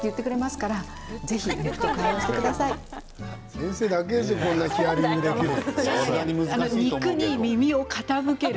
先生だけでしょこんなヒアリングができるの。